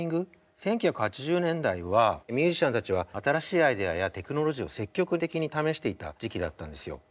１９８０年代はミュージシャンたちは新しいアイデアやテクノロジーを積極的に試していた時期だったんですよ。